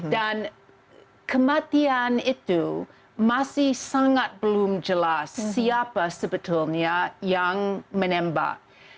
dan kematian itu masih sangat belum jelas siapa sebetulnya yang menembak